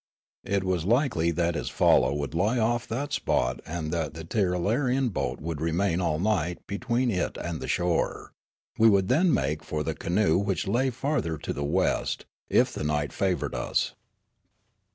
It was likely that his falla would lie off that spot and that the Tirralarian boat would remain all night be tween it and the shore. We would then makelfor the canoe which lay farther to the west, if the night favoured us.